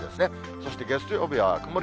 そして月曜日は曇り